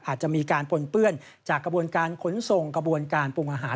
อาจจะมีการปนเปื้อนจากกระบวนการขนส่งกระบวนการปรุงอาหาร